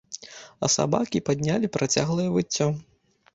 А сабакі паднялі працяглае выццё.